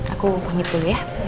aku pamit dulu ya